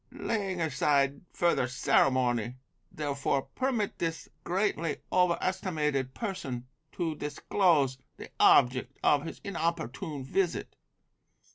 Laying aside further ceremony, therefore, permit this greatly over estimated person to disclose the object of his inopportune visit.